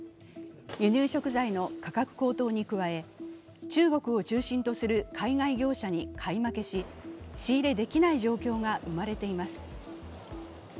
輸入食材の価格高騰に加え中国を中心とする海外業者に買い負けし、仕入れできない状況が生まれています。